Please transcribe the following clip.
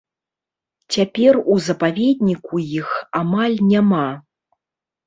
Цяпер у запаведніку іх амаль няма.